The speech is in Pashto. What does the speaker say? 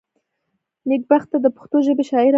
نېکبخته دپښتو ژبي شاعره وه.